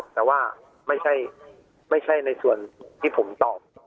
แต่ว่าไม่ใช่ในส่วนที่ผมตอบ